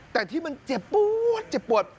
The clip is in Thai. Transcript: แต่ที่มันเจ็บปวดเจ็บปวด